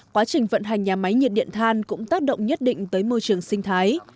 quá trình vận hành nhà máy nhiệt điện than cũng tác động nhất định tới môi trường sinh thái